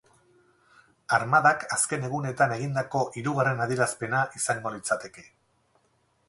Armadak azken egunetan egindako hirugarren adierazpena izango litzateke.